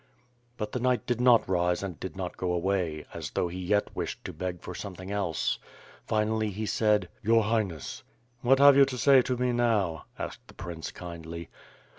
But the knight did not rise and did not go away, as though he yet wished to beg for something else. Finally he said: WITH PIRB AND SWORD. 4IS "Your Highness." 'TVhat have you to say to me now/' asked the prince kindly.